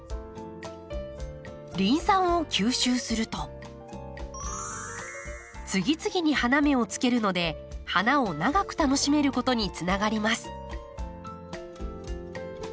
リン酸を吸収すると次々に花芽をつけるので花を長く楽しめることにつながります。